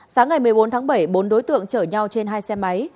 sáng ngày một mươi bốn tháng bảy bốn đối tượng chở nhau trên hai xe máy